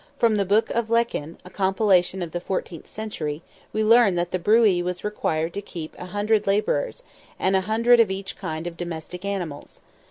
From "the Book of Lecan," a compilation of the fourteenth century, we learn that the Brooee was required to keep an hundred labourers, and an hundred of each kind of domestic animals.